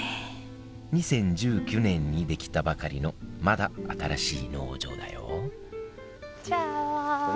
２０１９年に出来たばかりのまだ新しい農場だよチャオ！